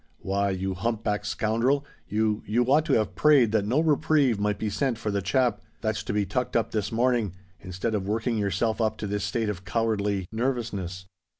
"Why, you hump backed scoundrel, you—you ought to have prayed that no reprieve might be sent for the chap that's to be tucked up this morning, instead of working yourself up to this state of cowardly nervousness.